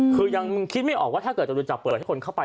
คือยังคิดไม่ออกว่าถ้าเกิดจรูนจะเปิดให้คนเข้าไป